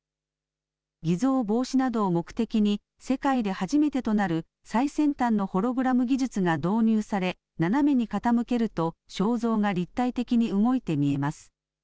偽造防止などを目的に、世界で初めてとなる最先端のホログラム技術が導入され、斜めに傾けると肖像が立体的に動いて見えます。